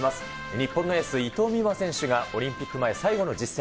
日本のエース、伊藤美誠選手がオリンピック前最後の実戦。